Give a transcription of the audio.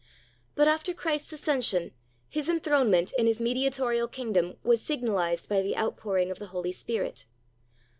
But after Christ's ascension His enthronement in His mediatorial kingdom was signalized by the outpouring of the Holy Spirit.